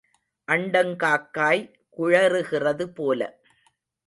அண்டங் காக்காய் குழறுகிறது போல.